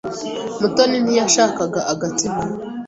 Mutoni ntiyashakaga agatsima.